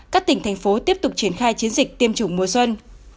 các tỉnh thành phố tiếp tục triển khai chiến dịch tiêm chủng mùa xuân